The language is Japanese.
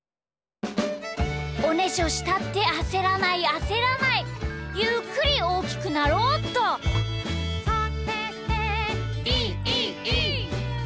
「おねしょしたってあせらないあせらない」「ゆっくりおおきくなろーっと」はあ！